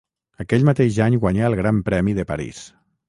Aquell mateix any guanyà el Gran Premi de París.